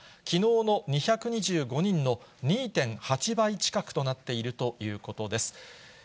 きのうの２２５人の２．８倍近くとなっているということです。